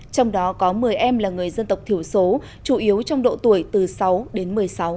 trong đó có một mươi em là người dân tộc thiểu số chủ yếu trong độ tuổi từ sáu đến một mươi sáu